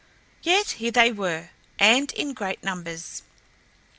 Yet here they were, and in great numbers.